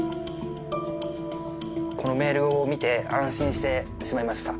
このメールを見て安心してしまいました。